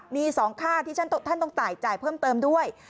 มี๒ค่าที่ท่านต้องจ่ายเพิ่มเติมด้วย